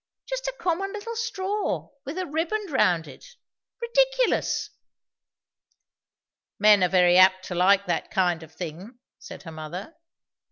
Just a common little straw, with a ribband round it! Ridiculous." "Men are very apt to like that kind of thing," said her mother.